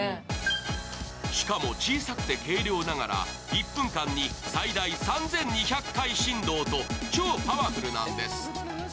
しかも小さくて軽量ながら１分間に最大３２００回振動と超パラフルなんです。